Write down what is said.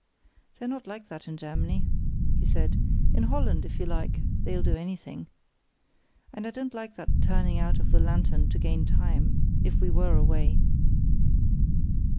"They're not like that in Germany," he said. "In Holland, if you like, they'll do anything. And I don't like that turning out of the lantern to gain time, if we were away."